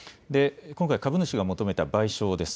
今回、株主が求めた賠償です。